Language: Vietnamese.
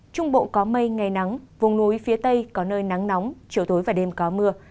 trung bộ có mây ngày nắng vùng núi phía tây có nơi nắng nóng chiều tối và đêm có mưa